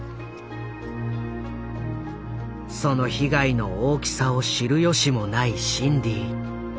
その被害の大きさを知るよしもないシンディ。